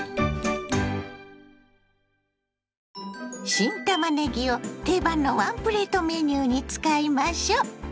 新たまねぎを定番のワンプレートメニューに使いましょ。